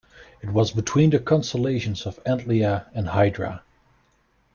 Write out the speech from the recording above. It was between the constellations of Antlia and Hydra.